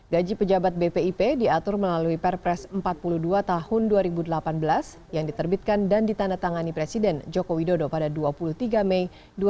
gaji pejabat bpip diatur melalui perpres empat puluh dua tahun dua ribu delapan belas yang diterbitkan dan ditandatangani presiden joko widodo pada dua puluh tiga mei dua ribu delapan belas